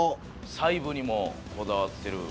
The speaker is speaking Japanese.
細部にもこだわってる。